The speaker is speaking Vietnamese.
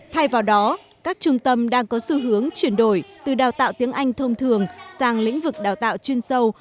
thay vào đó các trung tâm đang có xu hướng chuyển đổi từ đào tạo tiếng anh thông thường sang lĩnh vực đào tạo chuyên sâu